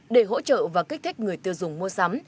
để hỗ trợ và kích thích người tiêu dùng mua sắm